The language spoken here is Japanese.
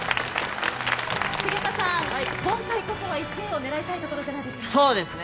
菅田さん、今回こそは１位を狙いたいところじゃないですか？